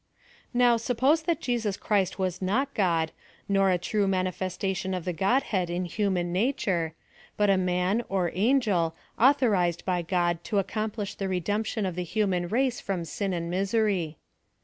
Now, suppose that Jesus Christ was not God, noi a true manifestation of the Godhead in human na ture, but a man, or angel, authorized by God to ac complish the redemption of the human race from sin and misery.